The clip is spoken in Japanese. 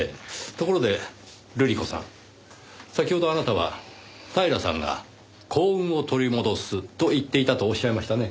ところで瑠璃子さん先ほどあなたは平さんが「幸運を取り戻す」と言っていたとおっしゃいましたね？